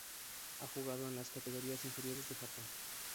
Ha jugado en las categorías inferiores de Japón.